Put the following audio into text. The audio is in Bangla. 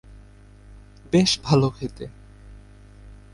বেশ ভালো খেতে।